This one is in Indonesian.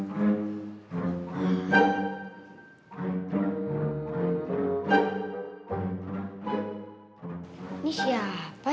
cara dibidik raja